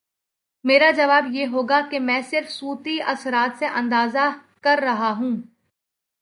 میرا جواب یہ ہو گا کہ میں صرف صوتی اثرات سے اندازہ کر رہا ہوں۔